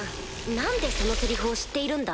何でそのセリフを知っているんだ？